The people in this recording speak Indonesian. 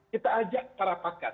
kita ajak para pakar